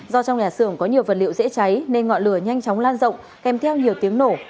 do trong nhà xưởng có nhiều vật liệu dễ cháy nên ngọn lửa nhanh chóng lan rộng kèm theo nhiều tiếng nổ